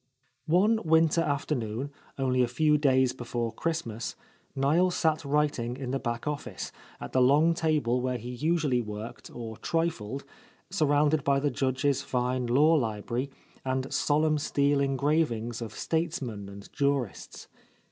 One winter afternoon, only a few days before Christmas, Niel sat writing in the back office, at the long table where he usually worked or trifled, surrounded by the Judge's fine law library and solemn steel engravings of statesmen and jurists.